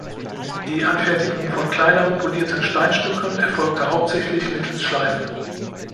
Die Anfertigung von kleineren polierten Steinstücken erfolgte hauptsächlich mittels Schleifen.